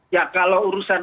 ya kalau urusan